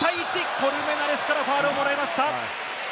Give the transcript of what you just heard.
コルメナレスからファウルをもらいました。